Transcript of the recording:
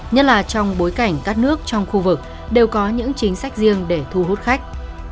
nhất là trong bối cảnh các nước trong khu vực đều có những chính sách riêng để thu hút khách